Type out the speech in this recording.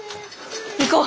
行こう！